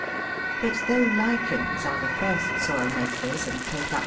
But though lichens are the first soil makers and take up * See Chap.